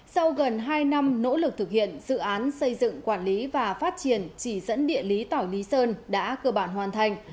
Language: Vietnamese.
sau gần hai năm nỗ lực thực hiện dự án xây dựng quản lý và phát triển chỉ dẫn địa lý tỏi lý sơn đã cơ bản hoàn thành